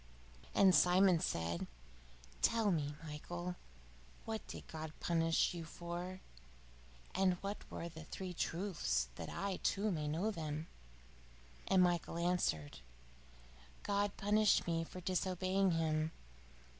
And Simon said, "Tell me, Michael, what did God punish you for? and what were the three truths? that I, too, may know them." And Michael answered: "God punished me for disobeying Him.